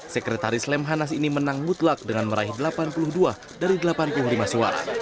sekretaris lemhanas ini menang mutlak dengan meraih delapan puluh dua dari delapan puluh lima suara